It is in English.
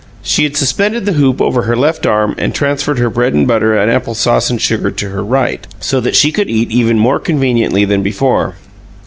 She had suspended the hoop over her left arm and transferred the bread and butter and apple sauce and sugar to her right, so that she could eat even more conveniently than before.